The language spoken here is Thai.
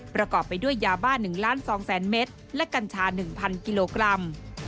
ประกอบไปด้วยยาบ้า๑๒๐๐๐เมตรและกัญชา๑๐๐กิโลกรัม